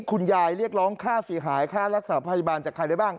เรียกร้องค่าเสียหายค่ารักษาพยาบาลจากใครได้บ้าง